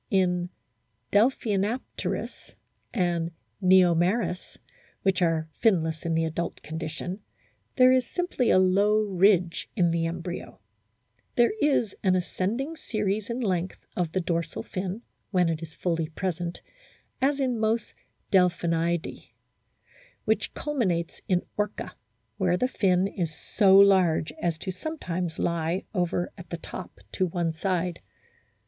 * In Delphinapterus and JVeomeris, which are finless in the adult condition, there is simply a low ridge in the embryo. There is an ascending series in length of the dorsal fin, when it is fully present, as in most Delphinidae, which culminates in Orca, where the fin is so large as to sometimes lie over at the top to one side.